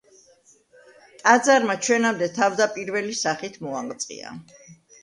ტაძარმა ჩვენამდე თავდაპირველი სახით მოაღწია.